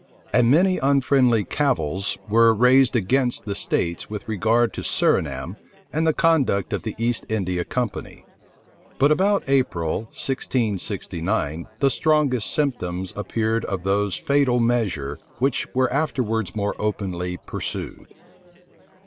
And many unfriendly cavils were raised against the states with regard to Surinam and the conduct of the East India Company.[] But about April, 1669 the strongest symptoms appeared of those fatal measure which were afterwards more openly pursued.